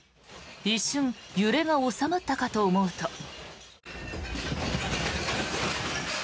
一瞬、揺れが収まったかと思うと。